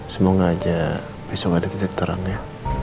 semoga aja besok ada titik terang ya